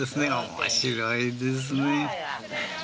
面白いですね。